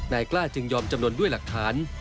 กล้าจึงยอมจำนวนด้วยหลักฐาน